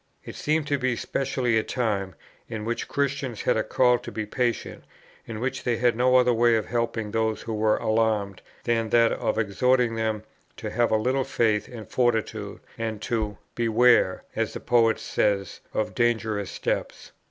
It seemed to be specially a time, in which Christians had a call to be patient, in which they had no other way of helping those who were alarmed, than that of exhorting them to have a little faith and fortitude, and to "beware," as the poet says, "of dangerous steps."